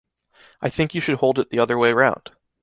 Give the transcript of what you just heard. I think you should hold it the other way round.